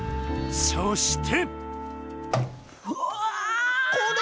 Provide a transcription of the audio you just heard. そして！